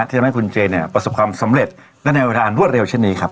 ทำให้คุณเจเนี่ยประสบความสำเร็จและแนวทางรวดเร็วเช่นนี้ครับ